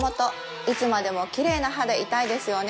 いつまでもキレイな歯でいたいですよね